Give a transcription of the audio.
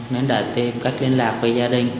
nên đã tìm cách liên lạc với gia đình